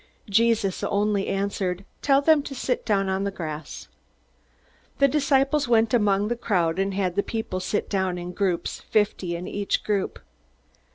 Jesus only answered, "Tell them to sit down on the grass." The disciples went among the crowd, and had the people sit down in groups, fifty in each group.